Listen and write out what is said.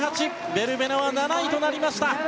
ベルベナは７位となりました。